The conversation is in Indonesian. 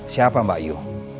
siapa mbak yu